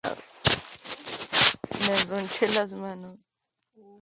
Esto, obligó por reglamento a jugar una finalísima, en cancha neutral.